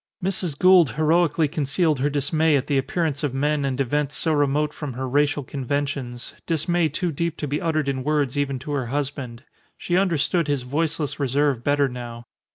Mrs. Gould heroically concealed her dismay at the appearance of men and events so remote from her racial conventions, dismay too deep to be uttered in words even to her husband. She understood his voiceless reserve better now.